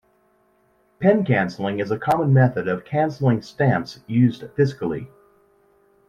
Pen cancelling is a common method of cancelling stamps used fiscally.